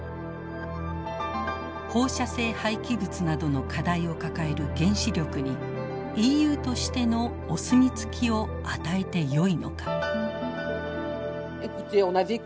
放射性廃棄物などの課題を抱える原子力にＥＵとしてのお墨付きを与えてよいのか。